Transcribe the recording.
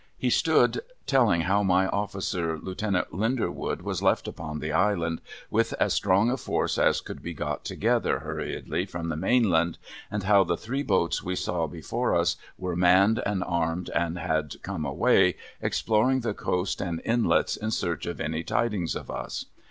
He stood telling how my officer, Lieutenant Linder wood, was left upon the Island, with as strong a force as could be got together hurriedly from the mainland, and how the three boats we saw before us were manned and armed and had come away, exploriirg the coast and inlets, in search of any tidings of us.